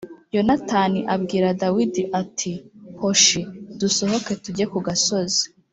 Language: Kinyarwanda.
Yonatani abwira Dawidi ati “Hoshi dusohoke tujye ku gasozi.”